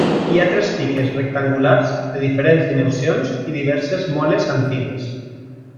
Hi ha tres piques rectangulars de diferents dimensions i diverses moles antigues.